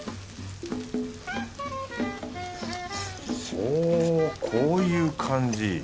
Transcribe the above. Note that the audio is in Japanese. おぉこういう感じ？